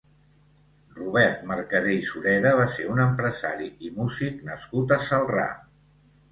Robert Mercader i Sureda va ser un empresari i músic nascut a Celrà.